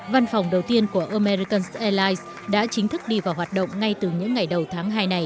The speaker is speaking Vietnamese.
văn phòng đầu tiên của american airlines đã chính thức đi vào hoạt động ngay từ những ngày đầu tháng hai này